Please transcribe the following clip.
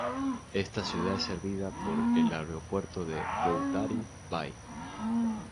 Esta ciudad es servida por el Aeropuerto de Boundary Bay.